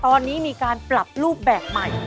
ตอนนี้มีการปรับรูปแบบใหม่